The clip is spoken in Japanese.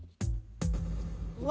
うわ！